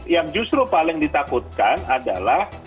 yang justru paling ditakutkan adalah